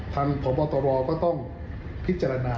พบตรก็ต้องพิจารณา